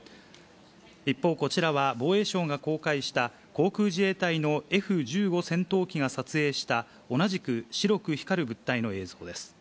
一方、こちらは防衛省が公開した、航空自衛隊のＦ１５戦闘機が撮影した、同じく白く光る物体の映像です。